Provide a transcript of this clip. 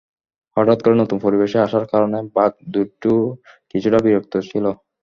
হঠাৎ করে নতুন পরিবেশে আসার কারণে বাঘ দুটি কিছুটা বিরক্তও ছিল।